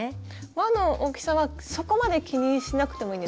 輪の大きさはそこまで気にしなくてもいいんですか？